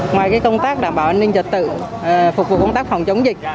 ngoài công tác đảm bảo an ninh trật tự phục vụ công tác phòng chống dịch